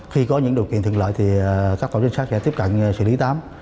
khi có những điều kiện thượng lợi thì các tổ trinh sát sẽ tiếp cận xử lý tám